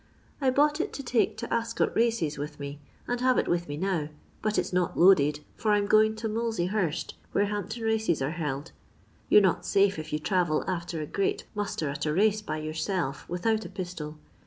I bought it to take to Ascot races with me, and have it with me now, but it 's not loaded, for I 'm going to Monlsey Hurst, where Hampton races are held. You're not safe if you travel after a great muster at a race by yourself without a pistol.